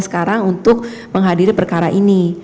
sekarang untuk menghadiri perkara ini